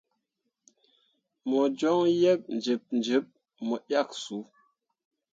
Mo joŋ yeb jiɓjiɓ mo yak su.